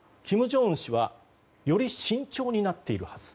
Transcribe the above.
正恩氏はより慎重になっているはず。